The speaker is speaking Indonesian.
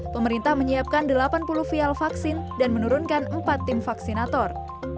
pemerintah menyiapkan delapan puluh vial vaksin dan menurunkan empat tim vaksinator